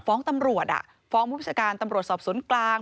ฟ้องตำรวจฟ้องผู้ประชาการตำรวจสอบสวนกลาง